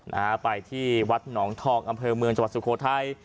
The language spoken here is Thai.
นะฮะไปที่วัดหนองทองอำเภอเมืองจังหวัดสุโขทัย